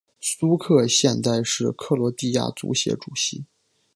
苏克现在是克罗地亚足协主席。